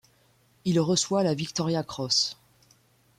Il reçoit la Victoria Cross.